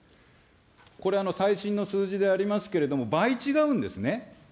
これ最新の数字でありますけれども、倍違うんですね。